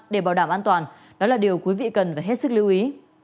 để bảo đảm an toàn đó là điều quý vị cần phải hết sức lưu ý